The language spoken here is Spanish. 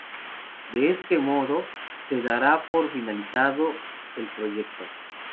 De este este modo se dará por finalizado el proyecto.